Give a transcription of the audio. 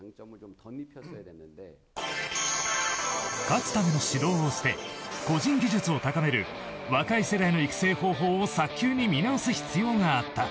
勝つための指導を捨て個人技術を高める若い世代の育成方法を早急に見直す必要があった。